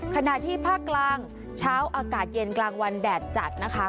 ขณะที่ภาคกลางเช้าอากาศเย็นกลางวันแดดจัดนะคะ